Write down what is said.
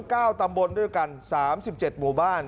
เก้าตำบลด้วยกันสามสิบเจ็ดหมู่บ้าน